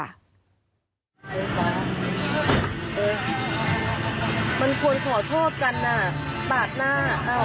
มันควรขอโทษกันปาดหน้า